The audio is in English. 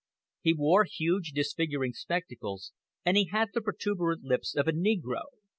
He wore huge, disfiguring spectacles, and he had the protuberant lips of a negro.